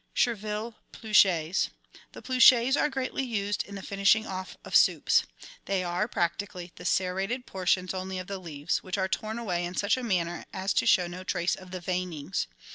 Chervil Pinches. — The pluches are greatly used in the finishing off of soups. They are, practically, the serrated por tions only of the leaves, which are torn away in such a manner as to show no trace of the veinings.